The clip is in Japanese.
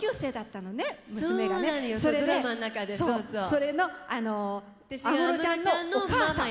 それの安室ちゃんのお母さん。